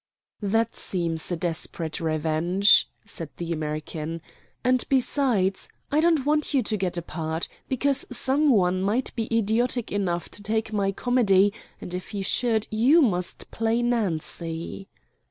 "That seems a desperate revenge," said the American; "and besides, I don't want you to get a part, because some one might be idiotic enough to take my comedy, and if he should, you must play Nancy."